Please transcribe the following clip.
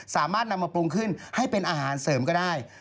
สามารถนำมาปรุงขึ้นให้เป็นอาหารเสริมก็ได้